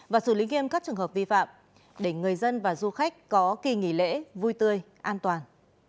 và xử lý nghiêm các trường hợp vi phạm để người dân và du khách có kỳ nghỉ lễ vui tươi an toàn